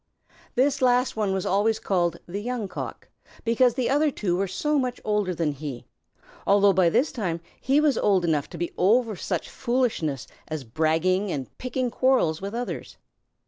This last one was always called the Young Cock, because the other two were so much older than he, although by this time he was old enough to be over such foolishness as bragging and picking quarrels with others.